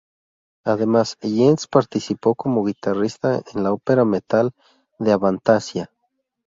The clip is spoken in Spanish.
Además, Jens participó como guitarrista en la ópera "metal" de Avantasia.